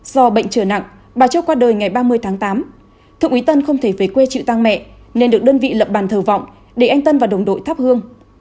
do bệnh trở nặng bà châu qua đời ngày ba mươi tháng tám thượng úy tân không thể về quê chịu tăng mẹ nên được đơn vị lập bàn thờ vọng để anh tân và đồng đội thắp hương